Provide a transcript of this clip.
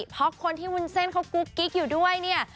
เพราะคนที่วุ้นเส้นเขากุ๊กกิ๊กอยู่ด้วยเนี่ย